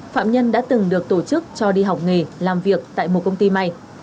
phạm nhân đã từng được tổ chức cho đi học nghề làm việc tại một công ty may